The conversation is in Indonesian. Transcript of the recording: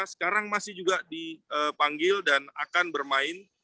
sekarang masih juga dipanggil dan akan bermain